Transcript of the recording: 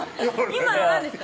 今の何ですか？